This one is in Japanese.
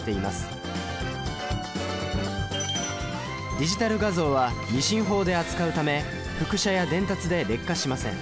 ディジタル画像は２進法で扱うため複写や伝達で劣化しません。